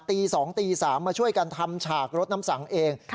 ตี๒ตี๓มาช่วยกันทำฉากรดน้ำสังเอง